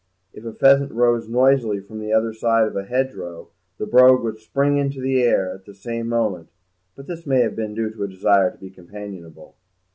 If a pheasant rose noisily from the other side of a hedgerow the Brogue would spring into the air at the same moment, but this may have been due to a desire to be companionable.